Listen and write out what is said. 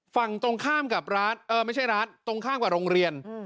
ฝั่งตรงข้ามกับร้านเออไม่ใช่ร้านตรงข้ามกับโรงเรียน